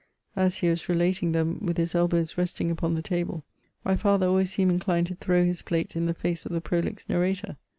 As he was relating them, with his elbows resting upon the table, my father always seemed inclined to throw his plate in the face of the prolix narrator.